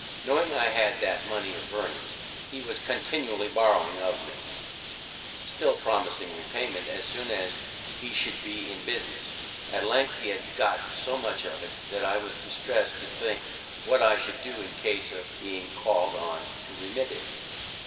Knowing I had that money of Vernon's, he was continually borrowing of me, still promising repayment as soon as he should be in business. At length he had got so much of it that I was distress'd to think what I should do in case of being call'd on to remit it.